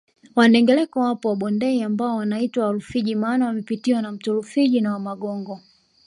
Wandengereko wapo wa bondeni ambao wanaitwa Warufiji maana wamepitiwa na mto Rufiji na Wamagongo